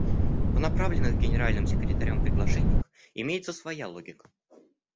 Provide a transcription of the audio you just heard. В направленных Генеральным секретарем приглашениях имеется своя логика.